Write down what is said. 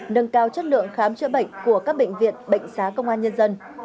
nâng cao chất lượng khám chữa bệnh của các bệnh viện bệnh xá công an nhân dân